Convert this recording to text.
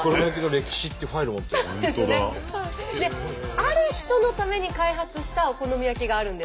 ある人のために開発したお好み焼きがあるんです。